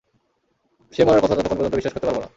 সে মরার কথা ততক্ষন পর্যন্ত বিশ্বাস করতে পারবো না।